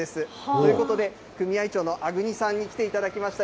ということで、組合長の粟國さんに来ていただきました。